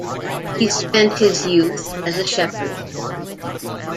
He spent his youth as a shepherd.